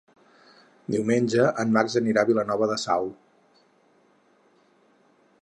Diumenge en Max anirà a Vilanova de Sau.